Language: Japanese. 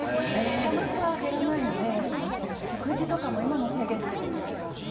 なかなか減らないので食事とかは今も制限しているんですけど。